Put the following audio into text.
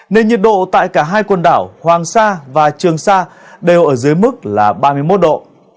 nên nhiệt độ tại cả hai quần đảo hoàng sa và trường sa đều ở dưới mức là ba mươi một độ